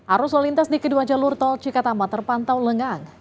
arus lalu lintas di kedua jalur tol cikatama terpantau lengang